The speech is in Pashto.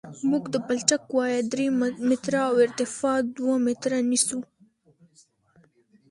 موږ د پلچک وایه درې متره او ارتفاع دوه متره نیسو